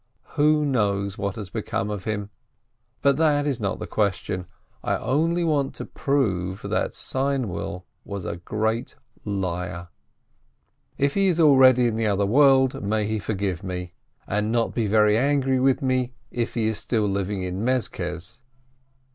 Who knows what has become of him ! But that is not the question — I only want to prove that Seinwill was a great liar. If he is already in the other world, may he forgive me — and not be very angry with me, if he is still living in Mezkez